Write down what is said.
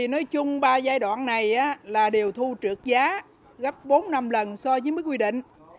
nói chung ba giai đoạn này là đều thu trượt giá gấp bốn năm lần so với quy định